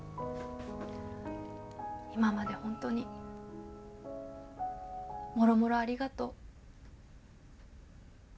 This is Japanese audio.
今まで本当にもろもろありがとう。